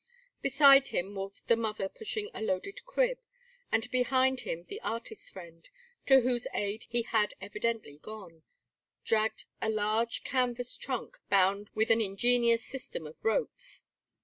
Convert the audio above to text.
Beside him walked the mother pushing a loaded crib; and behind him the artist friend, to whose aid he had evidently gone, dragged a large canvas trunk bound with an ingenious system of ropes.